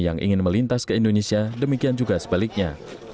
yang ingin melintas ke indonesia demikian juga sebaliknya